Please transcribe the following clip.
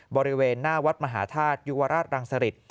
บริเวณหน้าวัดมหาธาตุยุวราชรังสริต